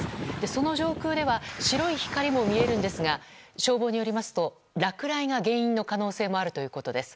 その上空では白い光も見えるんですが消防によりますと落雷が原因の可能性もあるということです。